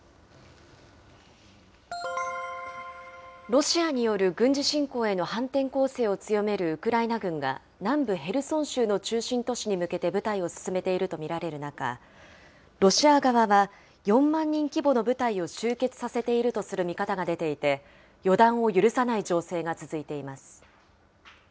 ロシアによる軍事侵攻への反転攻勢を強めるウクライナ軍が、南部ヘルソン州の中心都市に向けて部隊を進めていると見られる中、ロシア側は４万人規模の部隊を集結させているとする見方が出ていて、予断を許さない情勢が続いています。